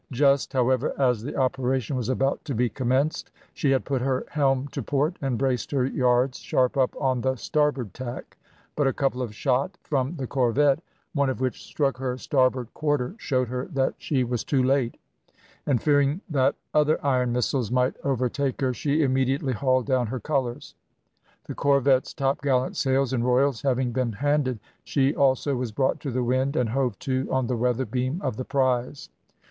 Just, however, as the operation was about to be commenced, she had put her helm to port, and braced her yards sharp up on the starboard tack; but a couple of shot from the corvette, one of which struck her starboard quarter, showed her that she was too late; and fearing that other iron missiles might overtake her, she immediately hauled down her colours. The corvette's topgallant sails and royals having been handed, she also was brought to the wind and hove to on the weather beam of the prize.